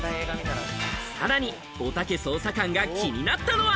さらに、おたけ捜査官が気になったのは。